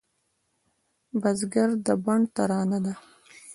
بزګر د بڼ ترانه ده